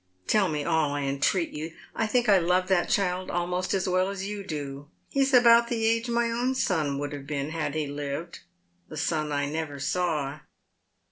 " Tell me all, I entreat you. I think I love that child almost 06 well as you do. He is about the age my own son would have been had he lived — the son I never saw.